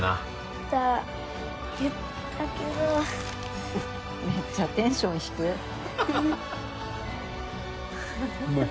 言った言ったけどめっちゃテンション低っえっうまい？